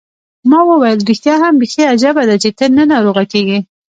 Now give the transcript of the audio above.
ما وویل: ریښتیا هم، بیخي عجبه ده، چي ته نه ناروغه کېږې.